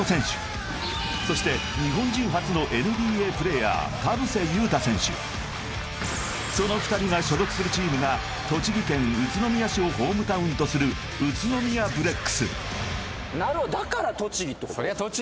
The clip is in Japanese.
リアル三井寿ことそしてその２人が所属するチームが栃木県宇都宮市をホームタウンとする宇都宮ブレックスなるほどだから栃木ってこと？